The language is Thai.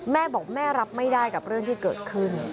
แม่บอกแม่รับไม่ได้กับเรื่องที่เกิดขึ้น